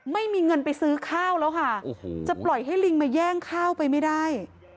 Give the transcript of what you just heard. ไม่มีเงินไปซื้อข้าวแล้วค่ะโอ้โหจะปล่อยให้ลิงมาแย่งข้าวไปไม่ได้